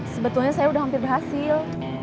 sebetulnya saya sudah hampir berhasil